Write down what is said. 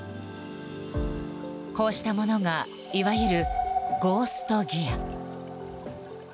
こうしたものがいわゆるゴースト・ギア。